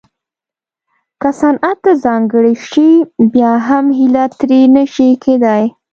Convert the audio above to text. که صنعت ته ځانګړې شي بیا هم هیله ترې نه شي کېدای